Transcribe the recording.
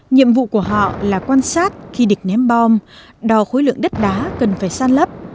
nhiệm vụ của họ là quan sát khi địch ném bom đò khối lượng đất đá cần phải san lấp